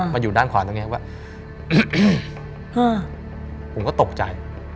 อยู่ด้านขวาตรงนี้ว่าผมก็ตกใจ